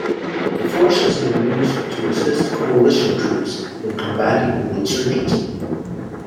The force has been used to assist Coalition troops in combatting the insurgency.